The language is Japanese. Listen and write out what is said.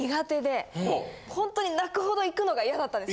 ほんとに泣くほど行くのが嫌だったんです